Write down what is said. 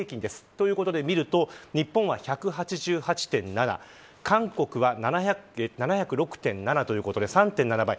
ということで見ると日本は１８８．７韓国は７０６．７ということで３．７倍。